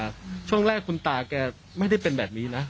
ช่วงแรกคุณตาแกไม่ได้เป็นแบบนี้นะ